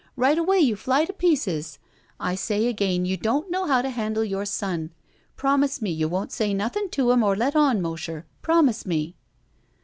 Right away you fly to pieces. I say again, you don't know how to handle your son. 240 ROULETTE Promise me you won't say nothing to him or let on, Mosher. Promise me."